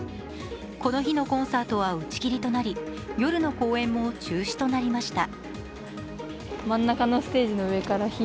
この日のコンサートは打ち切りとなり、夜の公演も中止となりました。